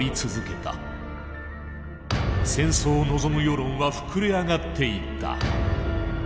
戦争を望む世論は膨れ上がっていった。